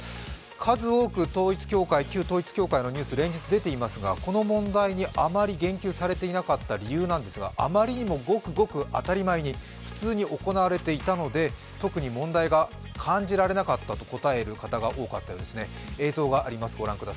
数多く旧統一教会のニュース、連日出ていますが、この問題にあまり言及されていなかった理由なんですがあまりにもごくごく当たり前に普通に行われていたので特に問題が感じられなかったと答える方が多いようですね。